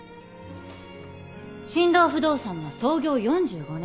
進藤不動産は創業４５年。